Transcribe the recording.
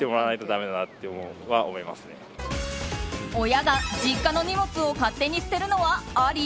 親が実家の荷物を勝手に捨てるのはあり？